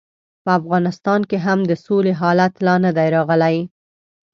په افغانستان کې هم د سولې حالت لا نه دی راغلی.